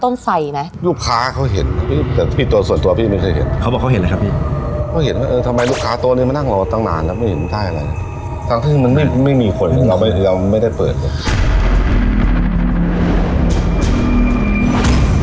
ไฟไหมลูกค้าเขาเห็นพี่แต่พี่ตัวส่วนตัวพี่ไม่เคยเห็นเขาบอกเขาเห็นเลยครับพี่เขาเห็นว่าเออทำไมลูกค้าโต๊ะนี้มานั่งรอตั้งนานแล้วไม่เห็นใต้อะไรทั้งที่มันไม่ไม่มีคนเราไม่เราไม่ได้เปิดเลย